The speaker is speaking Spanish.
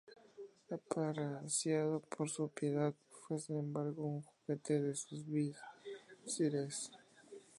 Apreciado por su piedad, fue sin embargo un juguete de sus visires.